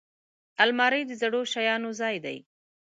الماري د زړو شیانو ځای کېږي